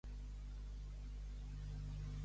A trompa i taleca.